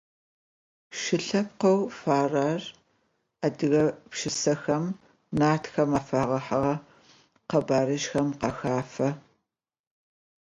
Шы лъэпкъэу фарэр адыгэ пшысэхэм, Нартхэм афэгъэхьыгъэ къэбарыжъхэм къахэфэ.